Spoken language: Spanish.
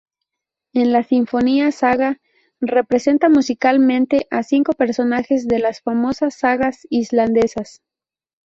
En la "Sinfonía Saga" representa musicalmente a cinco personajes de las famosas sagas islandesas.